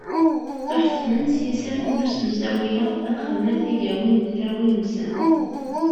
Ttuḥettmen s yisem n usemsawi-a ad xedmen tigawin n tlawin-nsen.